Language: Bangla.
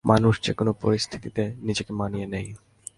মানুষ যে-কোনো পরিস্থিতিতে নিজেকে মানিয়ে নেয়।